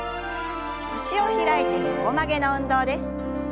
脚を開いて横曲げの運動です。